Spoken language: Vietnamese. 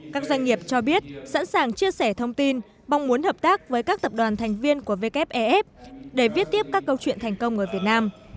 các doanh nghiệp cho biết sẵn sàng chia sẻ thông tin mong muốn hợp tác với các tập đoàn thành viên của wef để viết tiếp các câu chuyện thành công ở việt nam